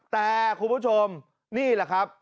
แต่คุณผู้ชมนี่แหละครับ